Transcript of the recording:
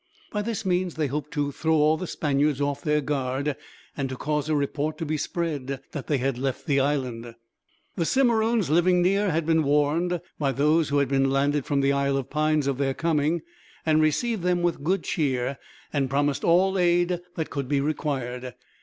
By this means they hoped to throw all the Spaniards off their guard, and to cause a report to be spread that they had left the island. The Simeroons living near had been warned, by those who had been landed from the Isle of Pines, of their coming; and received them with good cheer, and promised all aid that could be required.